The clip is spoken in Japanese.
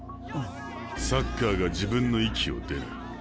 サッカーが「自分」の域を出ない。